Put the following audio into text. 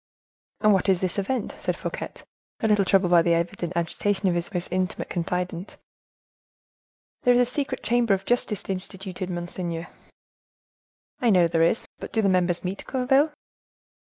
"And what is this event?" said Fouquet, a little troubled by the evident agitation of his most intimate confidant. "There is a secret chamber of justice instituted, monseigneur." "I know there is, but do the members meet, Gourville?"